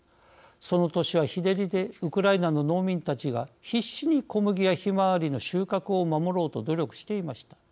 その年は日照りでウクライナの農民たちが必死に小麦やヒマワリの収穫を守ろうと努力していました。